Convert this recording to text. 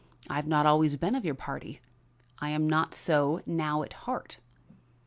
I have not always been of your party; I am not so now at heart."